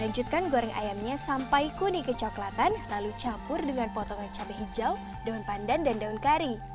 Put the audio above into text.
lanjutkan goreng ayamnya sampai kuning kecoklatan lalu campur dengan potongan cabai hijau daun pandan dan daun kari